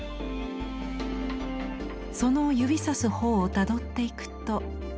その指さす方をたどっていくと。